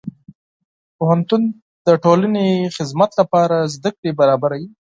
پوهنتون د ټولنې خدمت لپاره زدهکړې برابروي.